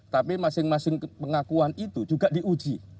tapi masing masing pengakuan itu juga diuji